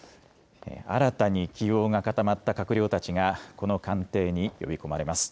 新たに起用が固まった閣僚たちが、この官邸に呼びこまれます。